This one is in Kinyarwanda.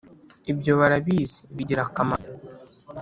Ibyo barabizi bigira akamaro